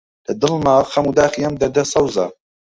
لە دڵما خەم و داخی ئەم دەردە سەوزە: